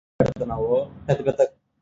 The fort wall has a small room on top.